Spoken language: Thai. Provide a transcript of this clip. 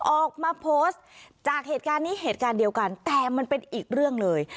ออกมาโพสต์จากเหตุการณ์นี้เหตุการณ์เดียวกันแต่มันเป็นอีกเรื่องเลย